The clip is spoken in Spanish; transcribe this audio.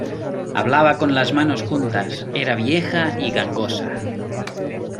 hablaba con las manos juntas: era vieja y gangosa.